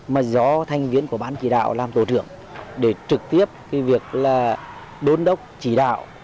mà do thành viên của ban chỉ đạo làm tổ trưởng để trực tiếp cái việc là đôn đốc chỉ đạo